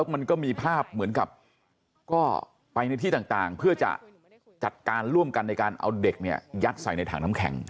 มันก็มีภาพเหมือนกับก็ไปในที่ต่างเพื่อจะจัดการร่วมกันในการเอาเด็กเนี่ยยัดใส่ในถังน้ำแข็ง